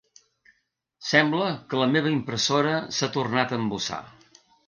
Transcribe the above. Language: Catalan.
Sembla que la meva impressora s'ha tornat a embussar.